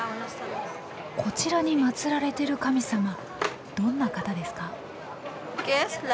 こちらに祭られてる神様どんな方ですか？